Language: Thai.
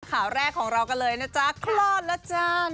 ข่าวแรกของเรากันเลยนะจ๊ะคลอดแล้วจ้าน